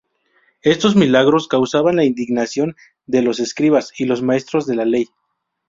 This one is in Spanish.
Estos milagros causaban la indignación de los escribas y los maestros de la ley.